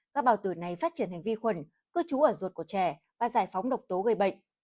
các bào tử này phát triển hành vi khuẩn cư trú ở ruột của trẻ và giải phóng độc tố gây bệnh